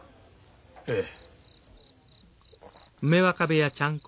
ええ。